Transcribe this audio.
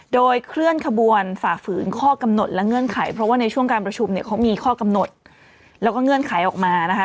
โดยเคลื่อนขบวนฝ่าฝืนข้อกำหนดและเงื่อนไขเพราะว่าในช่วงการประชุมเนี่ยเขามีข้อกำหนดแล้วก็เงื่อนไขออกมานะคะ